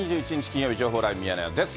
金曜日、情報ライブ、ミヤネ屋です。